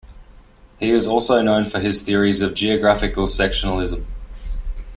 He is also known for his theories of geographical sectionalism.